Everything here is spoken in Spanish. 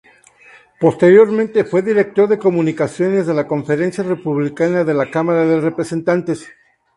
Posteriormente fue director de comunicaciones de la Conferencia Republicana de la Cámara de Representantes.